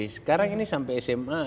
sekarang ini sampai sma